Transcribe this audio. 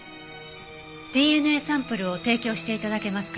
ＤＮＡサンプルを提供して頂けますか？